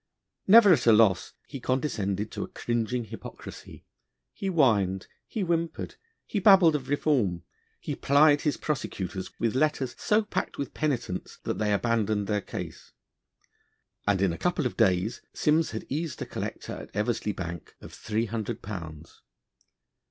Never at a loss, he condescended to a cringing hypocrisy: he whined, he whimpered, he babbled of reform, he plied his prosecutors with letters so packed with penitence, that they abandoned their case, and in a couple of days Simms had eased a collector at Eversey Bank of three hundred pounds.